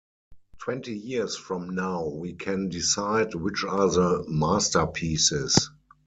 Twenty years from now we can decide which are the masterpieces.